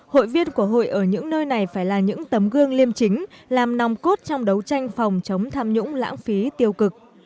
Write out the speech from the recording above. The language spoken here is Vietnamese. hội viên của hội ở những nơi này phải là những tấm gương liêm chính làm nòng cốt trong đấu tranh phòng chống tham nhũng lãng phí tiêu cực